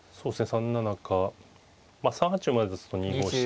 ３七か３八馬ですと２五飛車。